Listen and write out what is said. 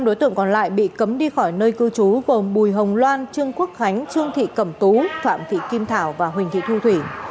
năm đối tượng còn lại bị cấm đi khỏi nơi cư trú gồm bùi hồng loan trương quốc khánh trương thị cẩm tú phạm thị kim thảo và huỳnh thị thu thủy